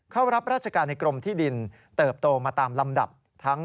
เข้ารับราชการในกรมที่ดิน